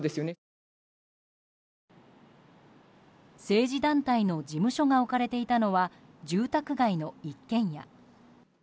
政治団体の事務所が置かれていたのは住宅街の一軒家。